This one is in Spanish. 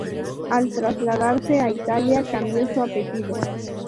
Al trasladarse a Italia, cambió su apellido.